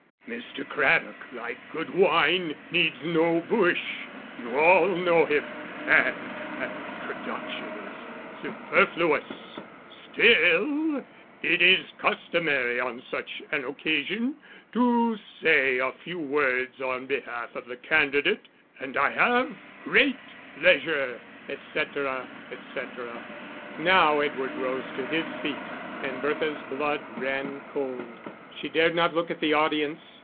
"Mr. Craddock, like good wine, needs no bush. You all know him, and an introduction is superfluous. Still it is customary on such an occasion to say a few words on behalf of the candidate, and I have great pleasure, &c., &c...." Now Edward rose to his feet, and Bertha's blood ran cold. She dared not look at the audience.